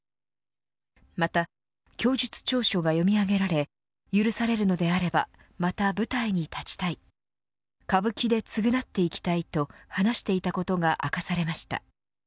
また、供述調書が読み上げられ許されるのであればまた舞台に立ちたい歌舞伎で償っていきたいと話していたことが明かされました。